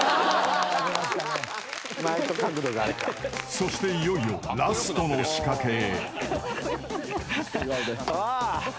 ［そしていよいよラストの仕掛けへ］